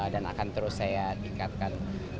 dan akan terus saya dikatakan